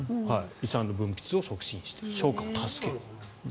胃酸の分泌を促進して消化を助ける。